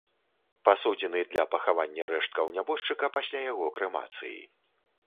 Пасудзіны для пахавання рэшткаў нябожчыка пасля яго крэмацыі.